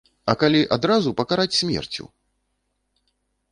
А калі адразу пакараць смерцю?!